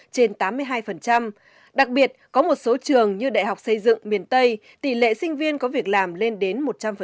trên tám mươi hai đặc biệt có một số trường như đại học xây dựng miền tây tỷ lệ sinh viên có việc làm lên đến một trăm linh